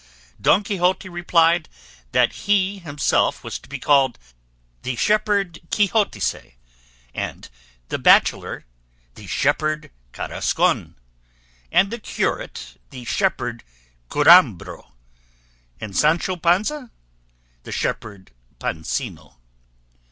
Don Quixote replied that he himself was to be called the shepherd Quixotize and the bachelor the shepherd Carrascon, and the curate the shepherd Curambro, and Sancho Panza the shepherd Pancino.